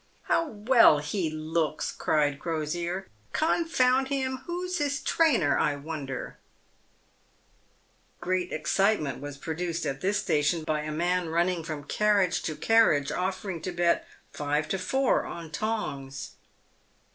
" How well he looks," cried Crosier. " Confound him ! who's his trainer, I wonder ?" Great excitement was produced at this station by a man running from carriage to carriage, offering to bet five to four on Tongs.